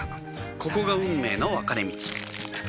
ここが運命の分かれ道